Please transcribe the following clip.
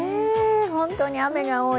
本当に雨が多い。